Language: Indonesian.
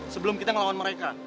sebelum kita ngelawan mereka